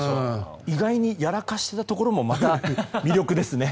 意外にやらかしていたところも魅力ですね。